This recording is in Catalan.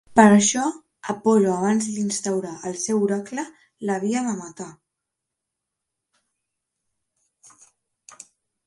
Per això, Apol·lo, abans d'instaurar el seu oracle, l'havia de matar.